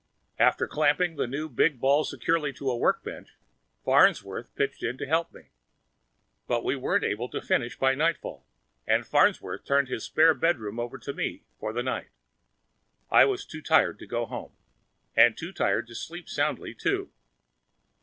After clamping the new big ball securely to a workbench, Farnsworth pitched in to help me. But we weren't able to finish by nightfall and Farnsworth turned his spare bedroom over to me for the night. I was too tired to go home. And too tired to sleep soundly, too.